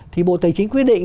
thì bộ tài chính quyết định